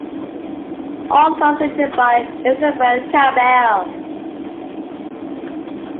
All songs written by Isobel Campbell.